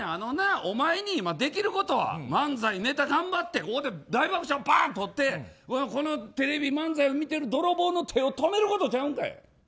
お前に今、できることは漫才のネタ頑張ってここで大爆笑をとってこのテレビ漫才を見てる泥棒の手を止めることちゃうんかい。